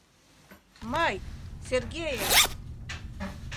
— Мый, Сергеев!